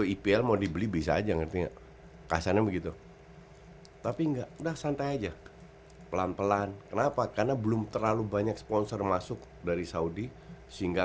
enggak udah santai aja pelan pelan kenapa karena belum terlalu banyak sponsor masuk dari saudi sehingga